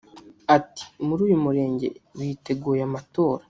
Ati “Muri uyu murenge biteguye amatora